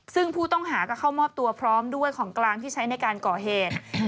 ซึ่งผู้ต้องหาก็เข้ามอบตัวพร้อมด้วยของกลางที่ใช้ในการก่อเหตุ